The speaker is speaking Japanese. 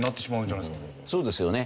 そうですよね。